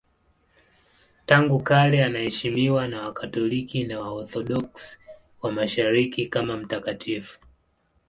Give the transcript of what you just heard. Tangu kale anaheshimiwa na Wakatoliki na Waorthodoksi wa Mashariki kama mtakatifu.